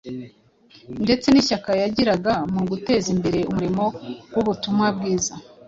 ndetse n’ishyaka yagiraga mu guteza imbere umurimo w’ubutumwa bwiza.